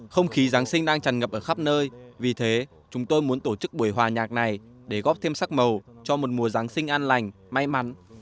không khí giáng sinh đang tràn ngập ở khắp nơi vì thế chúng tôi muốn tổ chức buổi hòa nhạc này để góp thêm sắc màu cho một mùa giáng sinh an lành may mắn